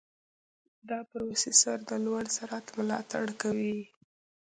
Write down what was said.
دا پروسېسر د لوړ سرعت ملاتړ کوي.